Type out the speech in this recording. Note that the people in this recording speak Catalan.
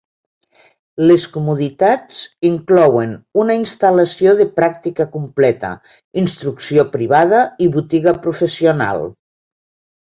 Les comoditats inclouen una instal·lació de pràctica completa, instrucció privada, i botiga professional.